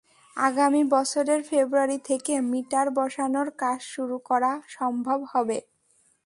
আগামী বছরের ফেব্রুয়ারি থেকে মিটার বসানোর কাজ শুরু করা সম্ভব হবে।